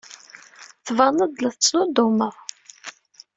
Tbaneḍ-d la tettnuddumeḍ.